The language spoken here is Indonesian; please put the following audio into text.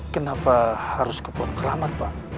kenapa harus ke pohon keramat pak